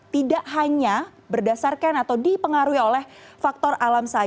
tidak hanya berdasarkan atau dipengaruhi oleh faktor alam saja